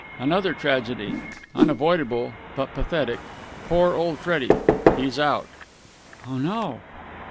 "Another tragedy! Unavoidable, but pathetic. Poor old Freddie! He's out!" "Oh, no!"